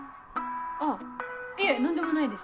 あっいえ何でもないです。